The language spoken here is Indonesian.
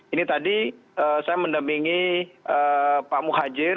ini tadi saya mendemingi pak mukhajir